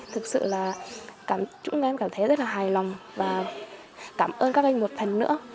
thực sự là chúng em cảm thấy rất là hài lòng và cảm ơn các anh một phần nữa